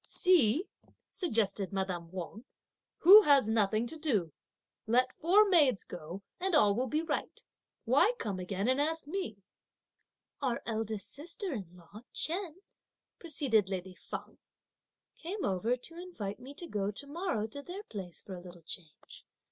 "See," suggested madame Wang, "who has nothing to do; let four maids go and all will be right! why come again and ask me?" "Our eldest sister in law Chen," proceeded lady Feng, "came over to invite me to go to morrow to their place for a little change.